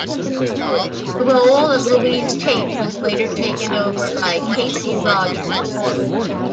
The role of Louise Tate was later taken over by Kasey Rogers.